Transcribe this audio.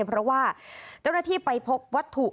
เพราะว่าเจ้าหน้าที่ไปพบวัตถุ